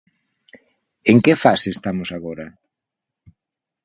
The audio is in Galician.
En que fase estamos agora?